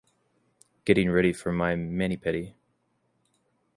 Getting ready for my mani-pedi!